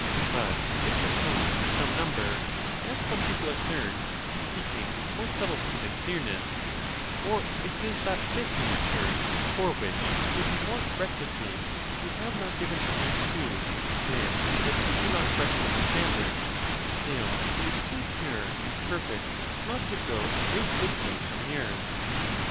But if the soul is some number, as some people assert, speaking with more sub tlety than clearness, or if it is that fifth nature, for which it would be more correct to say that we have not given a name to than that we do not correctly understand it—still it is too pure and perfect not to go to a great distance from the earth.